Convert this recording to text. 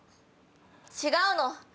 違うの。